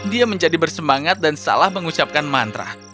dia menjadi bersemangat dan salah mengucapkan mantra